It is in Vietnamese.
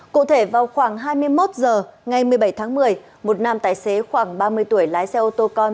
cụ thể vào khoảng hai mươi một h ngày một mươi bảy tháng một mươi một nam tài xế khoảng ba mươi tuổi lái xe ô tô con